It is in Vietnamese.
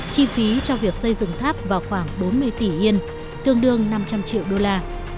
chi phí cho việc xây dựng tháp vào khoảng bốn mươi tỷ yên tương đương năm trăm linh triệu đô la